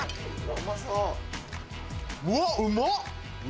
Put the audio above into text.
うわっうま！